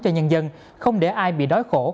cho nhân dân không để ai bị đói khổ